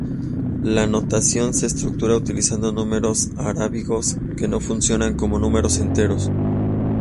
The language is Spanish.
La notación se estructura utilizando números arábigos que no funcionan como números enteros.